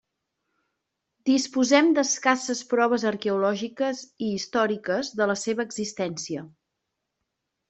Disposem d'escasses proves arqueològiques i històriques de la seva existència.